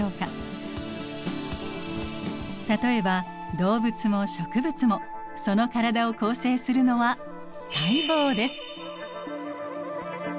例えば動物も植物もその体を構成するのは細胞です。